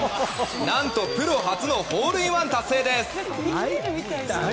何とプロ初のホールインワン達成です。